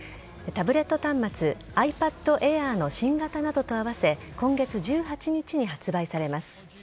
タブレット端末ｉＰａｄＡｉｒの新型などと合わせ、今月１８日に発売されます。